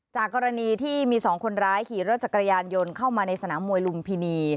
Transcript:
จากกรณีที่มีสองคนร้ายขี่รถจักรยานยนต์เข้ามาในสนามมวยลุมพินี